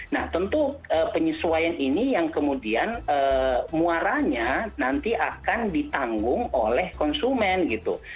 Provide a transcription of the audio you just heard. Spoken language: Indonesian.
nah tentu penyesuaian ini yang kemudian muaranya nanti akan ditanggung oleh konsumen gitu